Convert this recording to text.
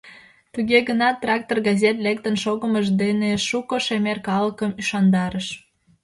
Туге гынат «Трактор» газет лектын шогымыж дене шуко шемер калыкым ӱшандарыш.